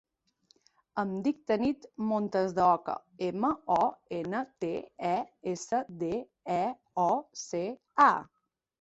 Em dic Tanit Montesdeoca: ema, o, ena, te, e, essa, de, e, o, ce, a.